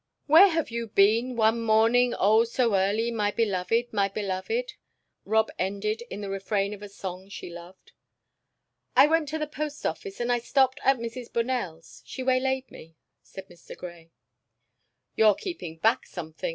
"Where have you been 'one morning, oh, so early, my beloved, my beloved?'" Rob ended in the refrain of a song she loved. "I went to the post office, and I stopped at Mrs. Bonell's she waylaid me," said Mr. Grey. "You're keeping back something!"